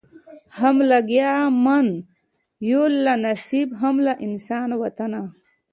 هم ګیله من یو له نصیب هم له انسان وطنه